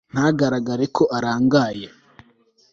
ntagaragara ko arangaye